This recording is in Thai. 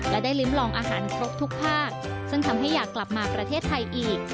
และได้ลิ้มลองอาหารครบทุกภาคซึ่งทำให้อยากกลับมาประเทศไทยอีก